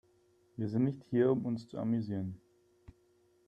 Wir sind nicht hier, um uns zu amüsieren.